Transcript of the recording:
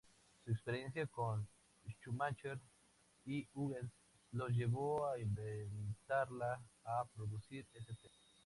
Su experiencia con Schumacher y Hughes los llevó a invitarla a producir St.